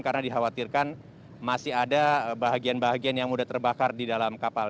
karena dikhawatirkan masih ada bahagian bahagian yang sudah terbakar di dalam kapal